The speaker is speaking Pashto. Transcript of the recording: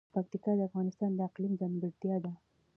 پکتیکا د افغانستان د اقلیم ځانګړتیا ده.